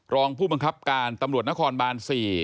รองผู้บังคับการตำรวจนครบาน๔